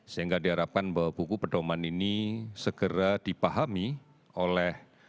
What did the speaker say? sehingga diharapkan bahwa buku pedoman ini segera dipahami oleh